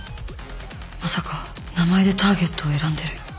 まさか名前でターゲットを選んでる？